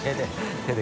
手で。